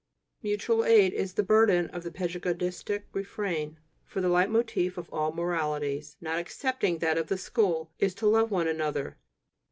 "Mutual aid" is the burden of the pedagogistic refrain, for the leitmotif of all moralities, not excepting that of the school, is "to love one another."